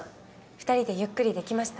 ２人でゆっくりできました？